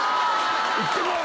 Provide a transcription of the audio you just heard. いってこい。